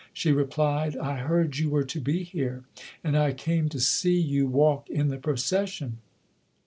She replied, "I heard you were to be here and I came to see you walk in the procession".